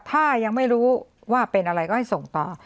ถ้ายังไม่รู้ว่าเป็นอะไรก็ให้ส่งต่อ